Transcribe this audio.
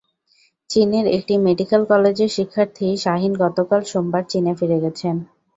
চীনের একটি মেডিকেল কলেজের শিক্ষার্থী শাহীন গতকাল সোমবার চীনে ফিরে গেছেন।